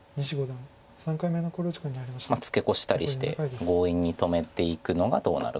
ツケコしたりして強引に止めていくのがどうなるか。